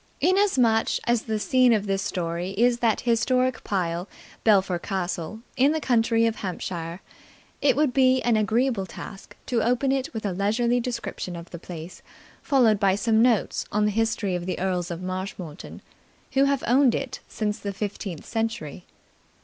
Inasmuch as the scene of this story is that historic pile, Belpher Castle, in the county of Hampshire, it would be an agreeable task to open it with a leisurely description of the place, followed by some notes on the history of the Earls of Marshmoreton, who have owned it since the fifteenth century.